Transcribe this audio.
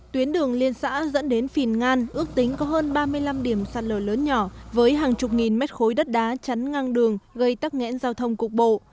tuyến đường liên xã dẫn đến phìn ngan ước tính có hơn ba mươi năm điểm sạt lở lớn nhỏ với hàng chục nghìn mét khối đất đá chắn ngang đường gây tắc nghẽn giao thông cục bộ